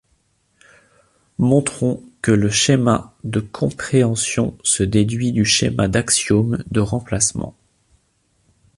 Montrons que le schéma de compréhension se déduit du schéma d'axiomes de remplacement.